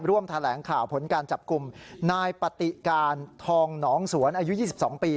ร่วมแถลงข่าวผลการจับกลุ่มนายปฏิการทองหนองสวนอายุ๒๒ปี